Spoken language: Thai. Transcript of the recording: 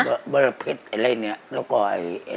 อเจมส์บริเวณเผ็ดอะไรนี่แล้วก็อะไร